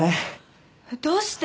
どうして？